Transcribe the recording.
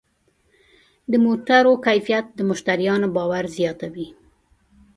د موټرو کیفیت د مشتریانو باور زیاتوي.